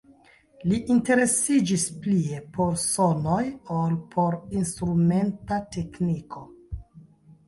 Li interesiĝis plie por sonoj ol por instrumenta tekniko.